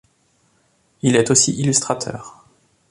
Il est aussi illustrateur.